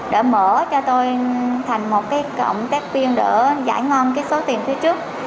để mở cho tôi thành một cái cộng tác viên để giải ngon cái số tiền thứ trước